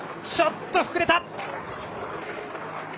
ちょっと膨れた！